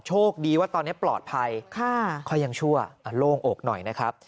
โชคดีว่าตอนนี้ปลอดภัยค่อยยังชั่วโล่งอกหน่อยนะครับ